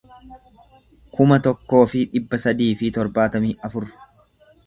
kuma tokkoo fi dhibba sadii fi torbaatamii afur